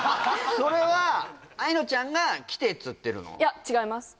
それは愛乃ちゃんが「来て」っつってるの？いや違います